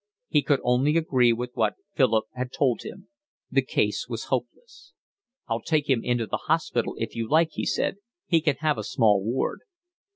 He could only agree with what Philip had told him. The case was hopeless. "I'll take him into the hospital if you like," he said. "He can have a small ward."